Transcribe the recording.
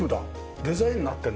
デザインになってるんだ。